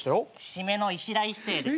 締めのいしだ壱成です。